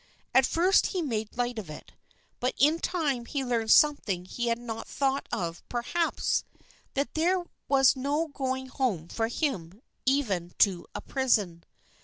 At first he made light of it but in time he learned something he had not thought of, perhaps that there was no going home for him, even to a prison.